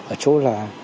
ở chỗ là